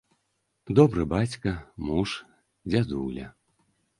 Добры бацька, муж, дзядуля.